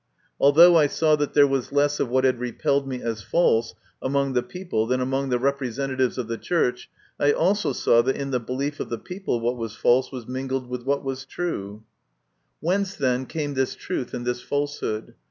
Although I saw that there was less of what had repelled me as false among the people than among the representa tives of the Church, I also saw that in the belief of the people what was false was mingled with what was true. 141 142 MY CONFESSION. Whence, then, came this truth and this falsehood?